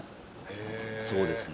そうですね。